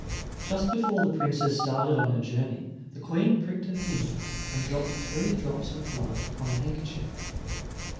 Just before the Princess started on her journey, the Queen pricked her finger, and dropped three drops of blood upon a handkerchief.